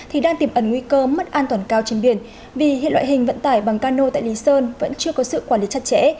thì đang tìm ẩn nguy cơ mất an toàn cao trên biển vì hiện loại hình vận tải bằng cano tại lý sơn vẫn chưa có sự quản lý chặt chẽ